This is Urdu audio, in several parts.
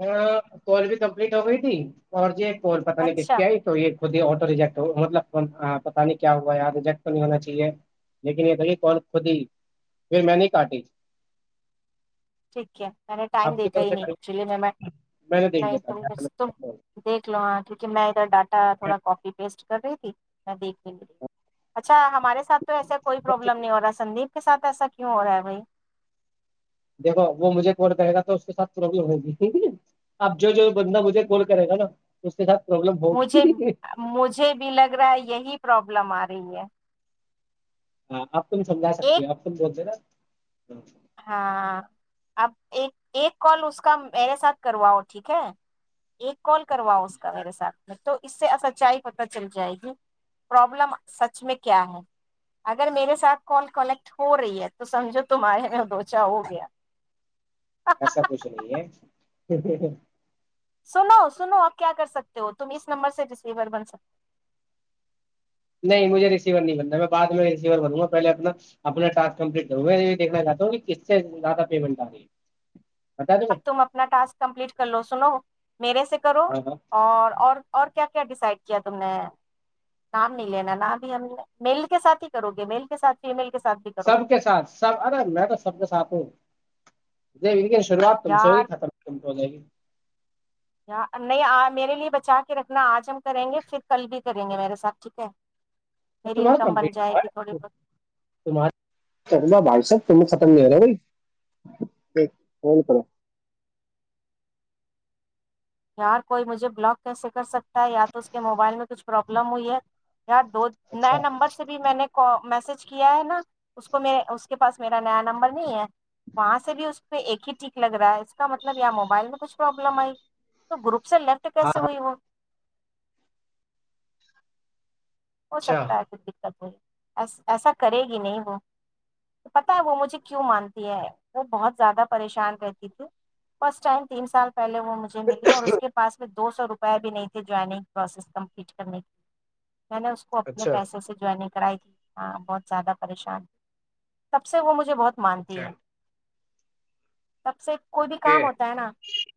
ہ کال بھی کمپلیٹ ہو گئی تھی اور ج اور پت نہیں کس اچھا کیا آئی تو یہ ہی آٹو ریجیکٹ مطلب پتا نہیں کیا ہوا یار ریجیکٹ تو نہیں ہونا چاہیے لیکن یہ تھا کہ کال خود ہی پھر میں نہیں کاٹی ٹھیک ہے میں نے ٹائم آپ کی دیکھ طرف سے نہیں کر ایکچولی میں میں نے دیکھ نہیں لیا ت ت تھا۔ دیکھ لو ہ کیونکہ میں ڈاک تھوڑا کفی پیسٹ کر رہی تھی میں دیکھ اچھا ہمارے ساتھ تو ایسے کوئی پروابلم نہیں ہو رہا سندیپ کے ساتھ ایسا کیوں ہو رہا ہے بھائی دیکو وہ مجھے کال کرے گا تو اس کے ساتھ پرابلم ہو گی ٹھیک ہے نا اب جو بندہ مجھے کال کرے گا نا اس کے ساتھ پرابلم مجھے ہوگی مجھے بھی لگ رہا یہی پربلم آ رہی رہی ہے ہ تم سمجا سکتی ایک ہوپ تم بول د نا تو ہاں اب ایک ایک کال اس کا میرے ساتھ کرواؤ ٹھیک ہے ایک کال کرواؤ اس کا میرے ساتھ میں تو اس سے سچائی پت چل جائے گی پرابلم سچ میں کیا ہے اگر میرے ساتھ کال کنیکٹ ہو رہی ہے تو سمجھو تمہارے دوچا ہو گیا ایسا کچھ نہیں ہے [unintelligible] سنو سنو آپ کیا کر سکتے ہو تم اس نمبر سے ڈسلیور بن سکتے نہیں مجھے ریسیور نہیں بننا میں بد میں ریسیور بنوں گا پہلے اپنا اپنا ٹس کمپلیٹ کروں گا یہ دیکھنا چاہتا ہوں کہ کس سے زیادہ پیمنٹ آ رہی ہے بتا دیں اب تم اپنا ٹاسک کمپلیٹ کر لو سنو میرے سے کرو ہاں ہاں اور اور اور کیا ڈسائڈ کیا تم نے نام نہیں لینا ن بھی ہم میل کے سات ہی کرو گے میل کے ساتھ فی مل سب کے ساتھ سب الگ میں تو سب کے ساتھ ہوں ج یہ [unintelligible] شروعات تم سے ہوی یار خاتم میں کم ہو جائےی نہیں میرے لیے بچا کے رکھنا آج ہم کریں گے پھر کل بھی کریں گے میرے ساتھ ٹھیک ہے میری تمہارا انکم کم بن جائے گی تھوڑی بہت تارہ بھائی صب تم ختم نہیں ہو رہا بی ف کرو یار کوئی مجھے بلاک کیسے کر سکتا ہے یا تو اس کے موبائل میں کچھ پرابلم ہوئی ہے یار دو اچھا نئے نمبر سے بھی میں نے میسج کیا ہے نا اس کو م اس کے پاس میرا نیا نمبر نہیں ہے وہاں سے بھی اس پہ ایک ہی ٹھیک لگ رہا ہے اس کا مطلب یا موبائل میں کچھ پروابلم آئی تو گر سے لیفٹ ہاں کیسے ہاں ہوئی وہ ہو اچھا سکتا ہے کچھ دقت نہیں ایسا کرے گی نہیں وہ پتا ہے وہ مجھے کیوں مانتی ہے وہ بہت زیادہ پریشان رہتی تھی فسٹ ٹائم تین سال پہے وہ مجھے ملی اور اس کے پاس میں دو سو روپئے بھی نہیں تھے جوائننگ پروسیس کمپلیٹ کرنے کی میں نے اس کو اپنے اچھا پیسے سے جوائین کرائی تھی ہاں بہت زیادہ پریشان سب سے وہ مجھے مجھے بہت اچھا مانتی ہے سب سے کوئی بھی کہ کام ہوتا ہے نا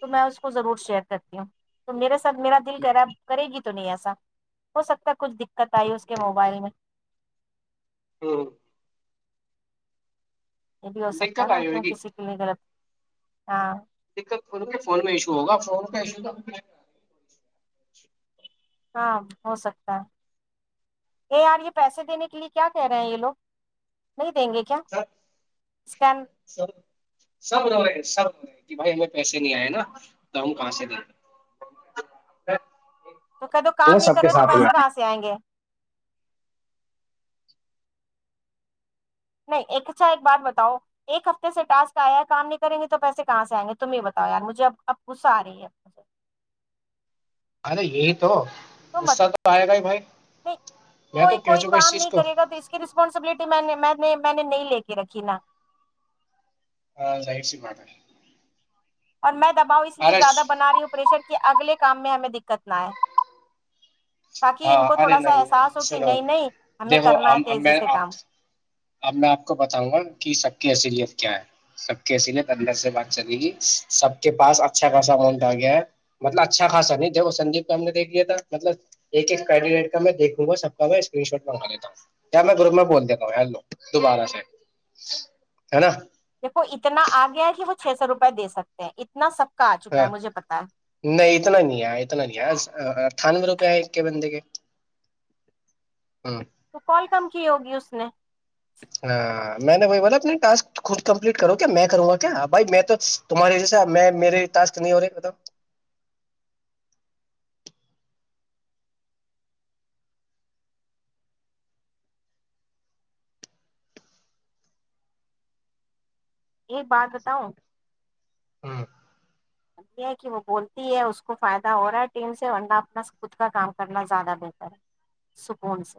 تو میں اس کو ضرور شیئر کرتی ہوں تو میرا سب میرا دل کرا کرے گی تو نہیں ایسا ہو سکتا کچھ دقت آئی اس کے موبائل میں ہاں یہ بھی ہو سکتا ہے دقت نا آئی کیوں ہوگی کسی کے لیے غلط ہاں دت فون میں ایشو ہوگا ف کا ایشو ہاں ہو سکتا ہے ا یار یہ پیسے دینے کے لیے کیا کہہ رہے ہیں یہ لوگ نہیں دیں گے کیا سر اسکین ایسا کہ بھائی ہمیں پیسے نہیں آئے نا تو ہم کہاں سے دیں تو کہ تو کام وہ نہیں سب کر کے رہے تو ساتھ میں پیسے کہاں سے آئیں گے نہیں ایک اچھا ایک بات بتاؤ ایک ہفتے سے ٹاسک آیا ہے کام نہیں کریں گے تو پیسے کہاں سے آئیں گے تم ہی بتاؤ یار مجھے اب اب غصہ آ رہی ہے سے ارے یہی تو تو مت غصہ آئے گا ہی بھائی نہیں میں تو کوئی کہہ کوئی چکا اس کام چیز نہیں کو کرے گا تو اس کی رسپانسبلٹی میں نے میں نے نہیں لے کے رکھی نا ہاں ظاہر سی بات ہے اور میں بؤ اس لیے ارے زیادہ بنا رہی ہوں پریشر کی اگلے کام میں ہمیں دقت نہ آئے تاکہ ہاں ان کو ارے تھوڑا سا نہیں احساس ہو کہ سنو نہیں نہیں ہمیں دیکھو کرنا اب ہے تیزی سے میںپ کام اب میں آپ کو بتاؤں گا کہ سب کی ای س لیت کیا ہے سب کے اس لیے اندر سے بات چلے گی سب کے پاس اچھا خاصا امونٹ آ گیا ہے مطلب اچھا خاصا نہیں دیکھو سنجیپ کا ہم نے دیکھ لیا تھا مطلب ایک ایکڈیڈیٹ کا دیکوں گا سب کا میں اسکرین شاٹ منگا لیتا ہوں میں گروپ میں بول دیتا ہوں لو دوبارہ سے ہے نا دیکھو اتنا آ گیا ہے کہ وہ چھ سو روپئے دے سکتے ہیں اتنا سب کا آ چکا ہے ہاں مجھے پتا ہے نہیں اتنا نہیں ہے اتنا نہیں ہے تھانور روپئے ہے ا کے بندے کے ہاں تو کال کم کی ہوگی اس نے ہ میں نے بھ ب اپ ٹک خود کمپلیٹ کرو کیا میں کروں گا کیا بھائی میں تو تمہارے جیسے میں میرے ٹس نہیں ہو رہے [unintelligible] ایک بات بتاؤ ہاں یہ ہے کہ وہ بولتی ہے اس کو فائدہ ہو رہا ہے ٹیم سے ورہ اپنا خود کا کام کرنا زیادہ بہتر ہے [unintelligible] ون سے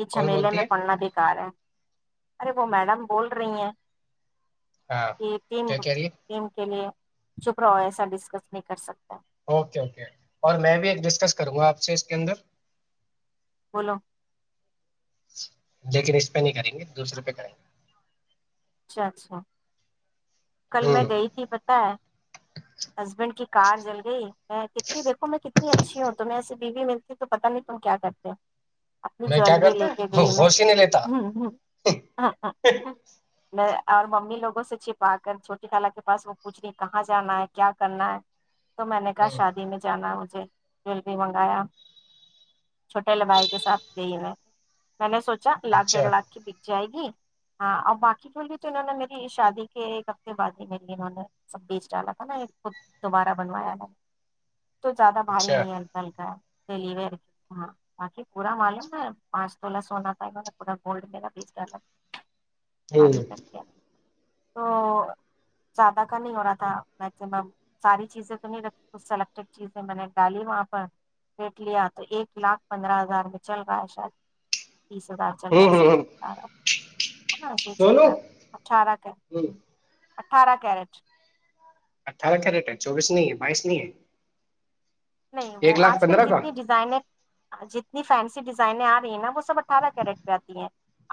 یہ کون جملے بولتی میں ہے پڑنا بےیکار ہے [unintelligible] ارے وہ میڈم بول رہی ہیں ہاں کیا م کہہ رہی ہے ٹیم کے لیے [unintelligible] چھپرا ایسا ڈسکس نہیں کر سکتا اوکے اوکے اور میں بھی ایک ڈسکس کروں گا آپ اچھا اس کے اندر بولو لیکن اس پہ نہیں کریں گے دوسرے پہ کریں گے اچھا اچھا [unintelligible] کل گے میں ہ گئی تھی پت ہے ہسبینڈ کی کار جل گئی میں کتنی دیکھو میں کتنی اچھی ہوں تمہیں ایے بیوی ملتی تو پتا نہیں تم کیا کرتے اپنی میں کیا جیلری کرتا لے کے ہے، گئی میں ہوش ہی نہیں لیتا ہ ہ میں اور ممی لووں سے چپ آا کر چھوٹی کالا کے پاس وہ پوچھنی کہاں جانا ہے کیا کرنا ہے تو میں نے کہا ہ شادی میں جانا مھ جویلری منگایا چھوٹے ل بائی کے ساتھ گئی میں [unintelligible] میں نے سوچا لاکھ ڈیڑ اچھا لاکھ کی بک جائے گی ہاں اور باقی پ بھی تو انہوں نے میری شادی ایک ہفتے بد ہی میری انہوں نے سب بیچ ڈالا تھا نا کو دوبارہ بنوایا انوں نے تو زیادہ بھاری اچھا نہیں ہے ہلکا ہلکا چلی ہاں باقی پورا معلوم ہے پانچ تولہ سونا پ گا پورا گولڈ م گا بیس ڈ ہ آ نہیں کر ہ تو زیادہ کا نہیں ہو رہا تھا میکسمم ساری چیزیں تو نہیں رکھی کچھ سلیکٹیڈ چیزیں میں نے ڈالی وہاں پر ریٹ لیا تو ایک لاکھ پندرہ ہزار میں چل رہا ہے شاید تیس ہزار چل رہا ہ ایسے ہ اٹھارہ ایسے ہی چل سولو رہا ہے ہ اٹھارہ کا اٹھارہ کیرٹ اٹھارہ کیا ریٹ ہے چوبیس نہیں ہے بائیس نہیں ہے نہیں وہ ایک لاکھ آج کل پندرہ کا جتنی ڈیزائن جتنی فین ڈیزائن آ رہی ہیں نا وہ سب اٹھارہ کیرٹ پہ آتی ہیں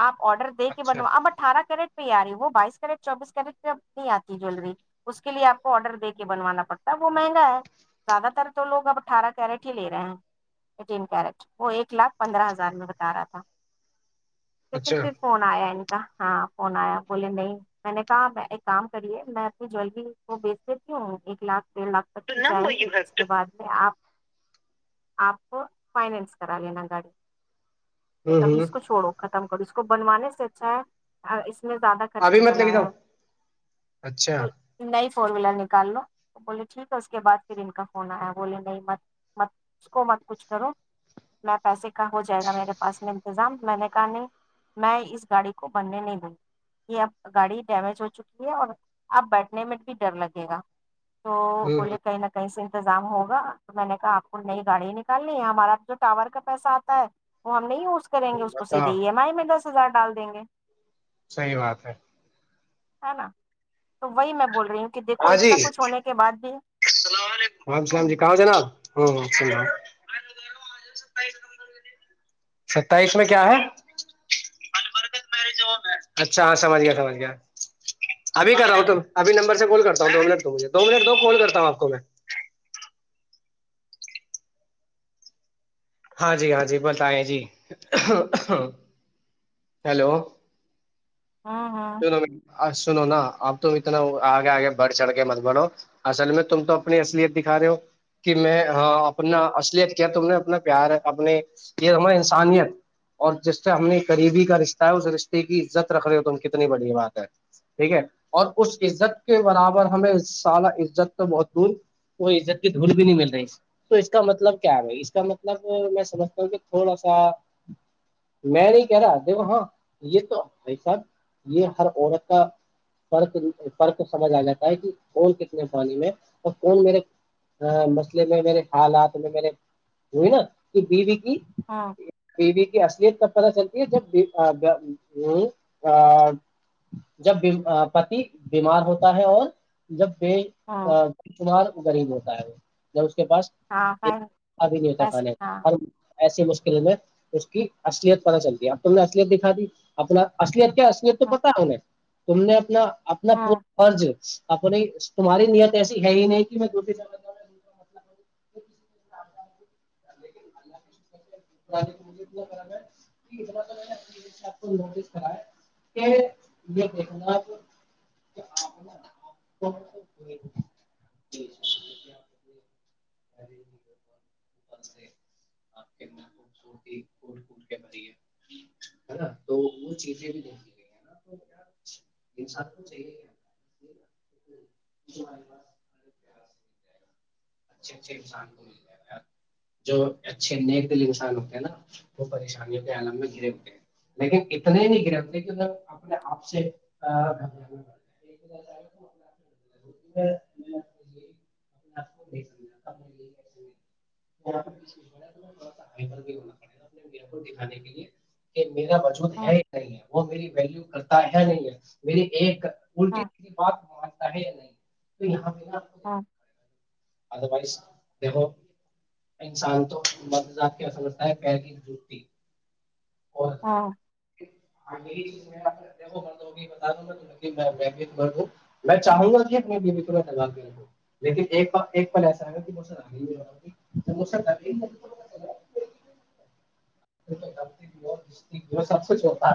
آپ آڈر د کے اچھا بنوا اب اٹھارہ کرنٹ آ رہی ہے وہ بائیس کیرٹ چوبیس کیرٹ پ نہیں آتی جیلری اس کے لیے آپ کو آڈر د کے بنوانا پڑتا ہے وہ مہنگا ہے زیادہ تر تو لوگ اب اٹھارہ کیرٹ ہی لے رہے ہیں ایٹین کیرٹ وہ ایک لاکھ پندرہ ہزار میں بتا رہا تھا لیکن اچھا پھر فون آیا نہیں ہاں فون آیا بولے نہیں میں نے کہا میں ایک کام کریے میں اپنی جویلری کو بیچ دیتی ہوں ایک لاکھ ڈھ لاکھ تک کی جائے نمبر یو گی اس کے ہیو بعد آپ آپ فائنینس کرا لینا گاڑی ہوں امیس کو چھوڑو ک م کر اس کو بنوانے سے اچھا ہے میں زیادہ خرچ ابھی مت نکل لے کے آیا جاؤ ہے اچھا تو نئی فور ویلر نکال لو بولے ٹھیک ہے اس کے بع پھر ان کا فون آیا بولے نہیں مت مت اس کو مت کچھ کرو میں پیسے کا ہو جائے گا میرے پاس میں انتظام میں نے کہا نہیں میں اس گاڑی کو بننے نہیں دوں گی یہ اب گاڑی ڈیمیج ہو چکی ہے اور اب بیٹھنے میں بھی ڈر لگے گا تو ہ بولے ہ کہیں نہ کہیں سے انتظام ہوگ تو میں نے کہا آپ کو نئی گاڑی نکالنی ہے ہمارا جو ٹاور کا پیسہ آتا ہے وہ ہم نہیں کریں گے اس کو بتاؤ سیدے ایم آئی میں دس ہزار ڈال دیں گے صحی بات ہے ہے نا تو وہی میں بول رہی ہوں کہ دیکھو ہاں اتنا جیلام کچھ ہونے کے بعد بھی وعلم السلام تم جی کہاں جناب ہاں ہ و ستائیس میں کیا ہے اچھا ہاں سمجھ گیا سمجھ گیا ابھی کر رہا ہوں تو ابھی نمبر سے کال کرتا ہوں دو منٹ تو مجھے دو منٹ دو کال کرتا ہوں آپ کو میں ہاں جی ہاں جی بت آیں جی ہ ہلو ہوں ہوں سو سنو نا اب تم اتنا آگے آگے بڑھ چڑھ کے مت بڑو اصل میں تم تو اپنی اصلیت دکھا رہے ہو کہ میں ہاں اپنا اصلیت کیا تم نے اپنا پیار اپنے یہ ہمار انسانیت اور جس سے ہم نے قریبی کا رشتہ ہے اس رشتے کی عزت رکھ رہے ہو تم ب بات ہے ٹھیک ہے اور اس عزت کے برابر ہمیں سالہ عزت تو بول کو عزت کی دھول بھی نہیں مل رہی تو اس کا مطلب کیا ہے اس کا مطلب میں سمجھتا ہوں کہ تھوڑا سا میں نہیں کہہ رہا دیکھو ہاں یہ تو سب یہ ہر عورت کا فرق فرق سمجھ آ جاتا ہے کہ کون کتنے پانی میں اور کون میرے مسئلے میں میرے حالات میں میرے ہوئی نا کہ بیوی ہوں بیوی کی اصلیت کب [unintelligible] پ ستی [unintelligible] جب پتی بیمار ہوتا ہے اور جب پ ہوں شمار غریبوں [unintelligible] ہے [unintelligible] کے پاس ہاں خیر ابھی نہیں ہوتا بس کھانا ہاں اور ایسی مشکل میں اس کی اصلیت پت چلتی اب تم نے اصلیت دکھا دی اپنا اصلیت کیا تو ہوں پتا ہے انیں تم نے اپنا [unintelligible] اپنا ہوں پورا فرض آ نہیں تمہاری نیت ایسی ہے ہی نہیں کہ میں دو ج تنا فرم ہےنا تو نوٹ کرا ہے کہ یہ دیکھنا خوبصورتیٹٹ کے بری ہے نا تو وہ چیزیں بھی دیک گئی ا اھے انسان کو م جائے گا جو اچھے نیک دل انسان ہوتے ہیں نا وہ پریشانیوں کے عم میں گرے ہوتے ہیں لیکن اتنے ہی نہیں گرے ہوتے کہ اپنے آپ سے م دکھانے کے لیے [unintelligible] میرا وجود ہوں ہے ہی نہیں ہے وہ میری ویلو کرتا ہے نہیں ہے میری ایک [unintelligible] الٹی ہوں کی بات پے نہیں تو یہاں پہ [inaudible] ہوں ادروائز دیکھو انسان تو مدذات کیا سمجھتا ہے پہلی جتی ہوں ی بتا دوں گا دوں میں چاہوں گا کہ اپنے بیب داوں لیکن پل ایسا رہ گا کہ مج آگےؤگیج سبتاا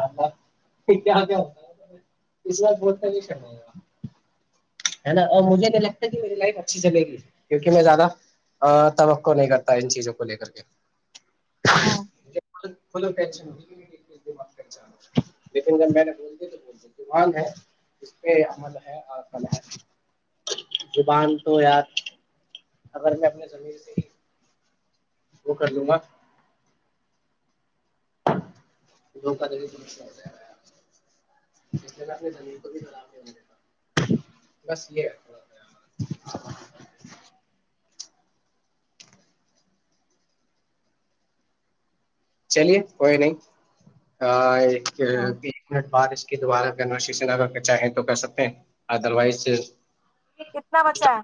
مجھے نہیں لگتا کہ می لائف اچھی چلے گی کیکہ میں زیادہ توقع نہیں کرتا ان چیزوں کو لے کر کے ہاں ہ لیکن جب میں نے بول د تو ب ز ہے اس پہ عمل ہے اورصل ہے زبان تو یار اگر میں اپنے زمیر سے ہی وہ کر دوں گا کا ہو جائے گا اسے اپنی زمین کو بھی خراب نہیںا بس یہ ہےا چلیے کوئی نہیں ہ ہوں بیس منٹ بعد اس کے دوارا اگر نشی سے لگ کے چاہیں تو کر سکتے ہیں ادروائز کتنا بچا ہے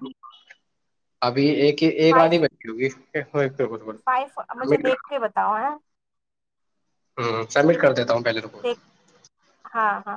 ابھی ایک ہی ایک راتی بیٹھی ہوگی [unintelligible] فائی مجھے دیکھ کے بتاؤ ہے ہ سبمٹ کر دیتا ہوں پہلی رپورٹ دیکھ ہاں ہاں